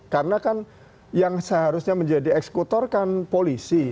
karena kan yang seharusnya menjadi eksekutor kan polisi